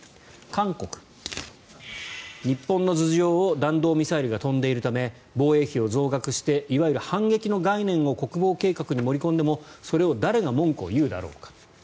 韓国は、日本の頭上を弾道ミサイルが飛んでいるため防衛費を増額していわゆる反撃の概念を国防計画に盛り込んでもそれを誰が文句を言うだろうか。